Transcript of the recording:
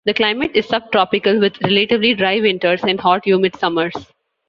The climate is sub-tropical with relatively dry winters and hot humid summers.